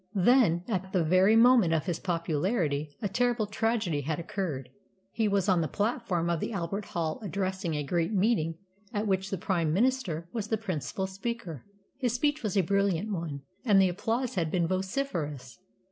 Then, at the very moment of his popularity, a terrible tragedy had occurred. He was on the platform of the Albert Hall addressing a great meeting at which the Prime Minister was the principal speaker. His speech was a brilliant one, and the applause had been vociferous.